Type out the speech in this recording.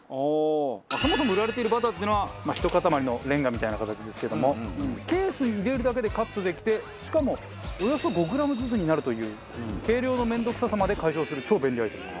そもそも売られているバターっていうのはひと塊のレンガみたいな形ですけどもケースに入れるだけでカットできてしかもおよそ５グラムずつになるという計量の面倒くささまで解消する超便利アイテム。